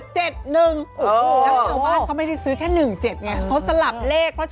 แล้วชาวบ้านเขาไม่ได้ซื้อแค่๑๗ไงเขาสลับเลข